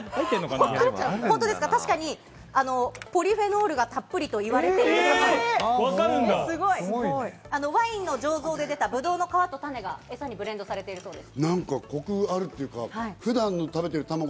確かにポリフェノールがたっぷりといわれている、ワインの醸造で出たブドウの皮と種がエサにブレンドされてるそうです。